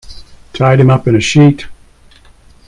Tied him up in a sheet!